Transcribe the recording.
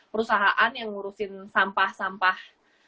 perusahaan yang ngurusin sampah sampah